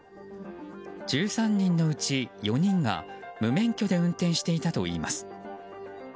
１３人のうち４人が無免許で運転していたといいます。